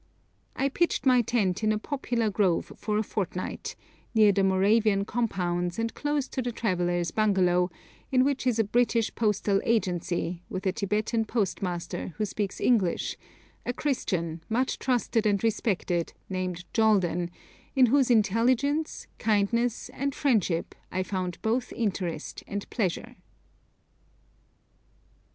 I pitched my tent in a poplar grove for a fortnight, near the Moravian compounds and close to the travellers' bungalow, in which is a British Postal Agency, with a Tibetan postmaster who speaks English, a Christian, much trusted and respected, named Joldan, in whose intelligence, kindness, and friendship I found both interest and pleasure.